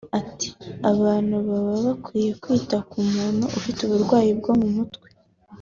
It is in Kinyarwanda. Ati “Abantu baba bakwiye kwita ku muntu ufite uburwayi bwo mu mutwe